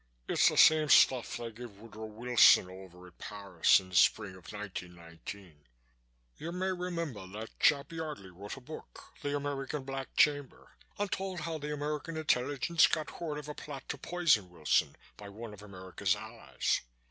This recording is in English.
It's the same stuff they gave Woodrow Wilson over at Paris in the spring of 1919. You may remember that chap Yardley wrote a book, 'The American Black Chamber,' and told how the American Intelligence got word of a plot to poison Wilson by one of America's allies.